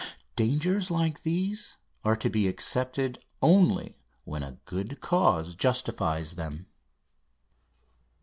Dangers like these are to be accepted only when a good cause justifies them.